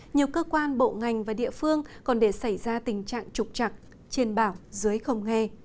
nhiều cơ quan bộ ngành và địa phương còn để xảy ra tình trạng trục chặt trên bảo dưới không nghe